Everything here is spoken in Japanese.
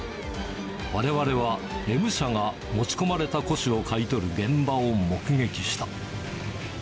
われわれは、Ｍ社が持ち込まれた古紙を買い取る現場を目撃した。